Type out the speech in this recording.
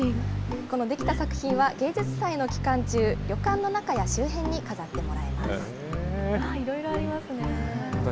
この出来た作品は、芸術祭の期間中、旅館の中や周辺に飾っていろいろありますね。